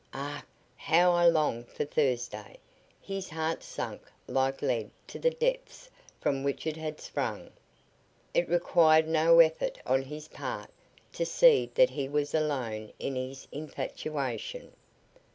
Ach, how I long for Thursday!" His heart sank like lead to the depths from which it had sprung. It required no effort on his part to see that he was alone in his infatuation.